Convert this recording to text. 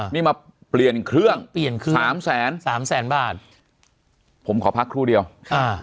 นี่มาเปลี่ยนเครื่องเปลี่ยนเครื่องสามแสนสามแสนบาทผมขอพักครู่เดียวค่ะ